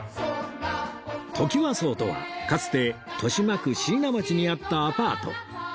トキワ荘とはかつて豊島区椎名町にあったアパート